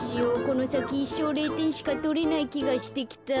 このさきいっしょう０てんしかとれないきがしてきた。